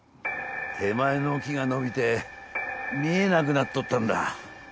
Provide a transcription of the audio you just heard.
手前の木が伸びて見えなくなっとったんだ。